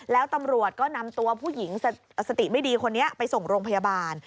แล้วตำรวจก็นำตัวผู้หญิงสติไม่ดีคนนี้ไปส่งโรงพยาบาล